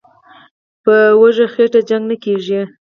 "په وږي خېټه جنګ نه کېږي".